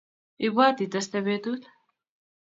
Ibwat iteste betut.